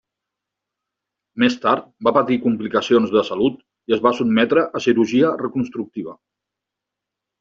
Més tard va patir complicacions de salut i es va sotmetre a cirurgia reconstructiva.